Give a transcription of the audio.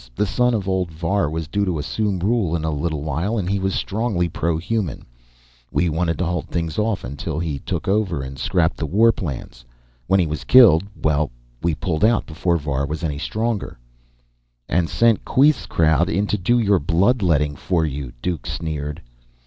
The son of old Var was due to assume rule in a little while and he was strongly pro human. We wanted to hold things off until he took over and scrapped the war plans. When he was killed well, we pulled out before Var was any stronger." "And sent Queeth's crowd in to do your blood letting for you?" Duke sneered.